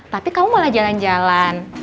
tapi kamu malah jalan jalan